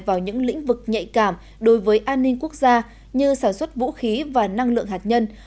vào những lĩnh vực nhạy cảm đối với an ninh quốc gia như sản xuất vũ khí và năng lượng hạt nhân